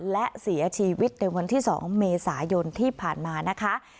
และเสียชีวิตในวันที่๒เมษายนที่ผ่านมานะคะ